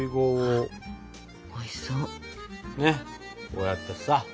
こうやってさ。